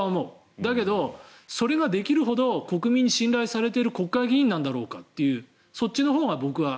だけど、それができるほど国民に信頼されている国会議員なんだろうかというそっちのほうが僕は。